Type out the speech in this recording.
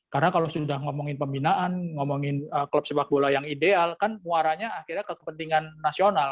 karena kalau sudah ngomongin pembinaan ngomongin klub sepak bola yang ideal kan muaranya akhirnya kepentingan nasional